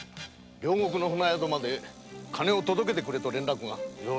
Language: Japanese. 両国の船宿まで金を届けてくれと連絡が。